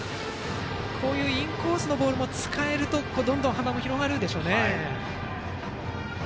こういうインコースのボールも使えるとどんどん幅が広がるんでしょうね。